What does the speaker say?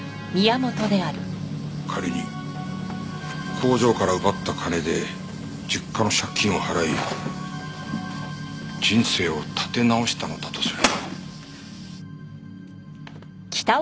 仮に工場から奪った金で実家の借金を払い人生を立て直したのだとすれば。